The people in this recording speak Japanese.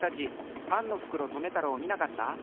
パンのふくろとめたろうをみなかった？